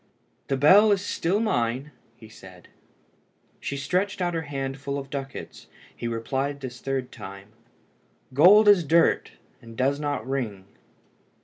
"The bell is still mine," said he. She stretched out her hand full of ducats. He replied this third time "Gold is dirt, and does not ring."